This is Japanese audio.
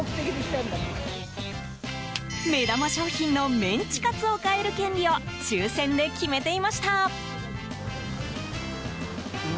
目玉商品のメンチカツを買える権利を抽選で決めていました。